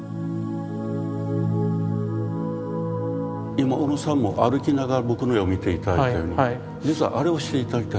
今小野さんも歩きながら僕の絵を見て頂いてたように実はあれをして頂きたいんです。